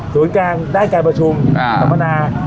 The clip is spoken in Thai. ศูนย์กลางด้านการประชุมสัมมนา